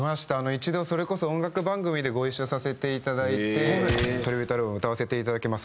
一度それこそ音楽番組でご一緒させて頂いて「トリビュートアルバム歌わせて頂きます」